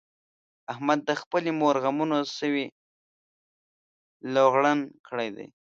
احمد د خپلې مور غمونو سوی لوغړن کړی دی.